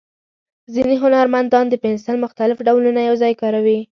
ځینې هنرمندان د پنسل مختلف ډولونه یو ځای کاروي.